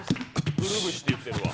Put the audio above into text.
くるぶしって言ってるわ。